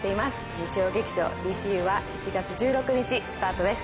日曜劇場「ＤＣＵ」は１月１６日スタートです